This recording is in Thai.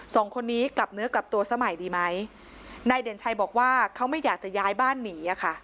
สองคนนี้กลับเนื้อกลับตัวซะใหม่ดีไหมนายเด่นชัยบอกว่าเขาไม่อยากจะย้ายบ้านหนีอ่ะค่ะ